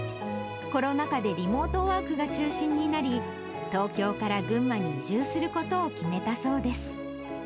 コロナ禍でリモートワークが中心になり、東京から群馬に移住することを決めたそうです。